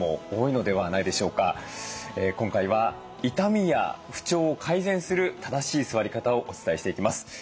今回は痛みや不調を改善する正しい座り方をお伝えしていきます。